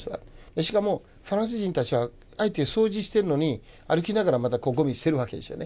しかもフランス人たちはあえて掃除してるのに歩きながらまたゴミ捨てるわけですよね。